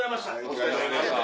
お疲れさまでした。